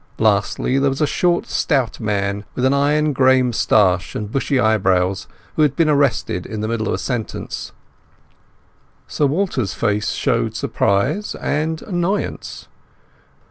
Lastly, there was a short stout man with an iron grey moustache and bushy eyebrows, who had been arrested in the middle of a sentence. Sir Walter's face showed surprise and annoyance.